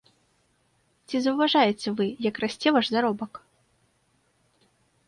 Ці заўважаеце вы, як расце ваш заробак?